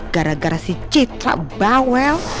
gara gara si citra bawel